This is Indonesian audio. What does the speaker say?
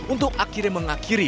untuk akhirnya mengakhiri